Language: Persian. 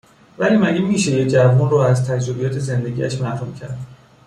ولی مگه میشه یه جوون رو از تجربیات زندگیاش محروم کرد